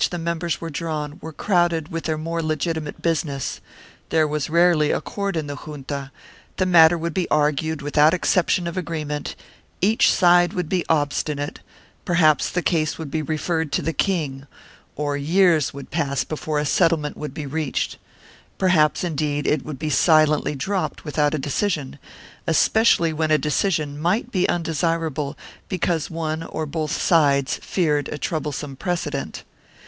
The councils from which the members were drawn were crowded with their more legitimate business; there was rarely accord in the junta; the matter would be argued without expectation of agreement; each side would be obstinate; perhaps the case would be referred to the king or years would pass before a settlement would be reached; perhaps, indeed, it would be silently dropped without a decision, especially when a decision might be undesirable because one or both sides feared a troublesome precedent.